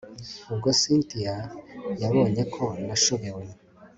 ubwo cyntia yabonye ko nashobewe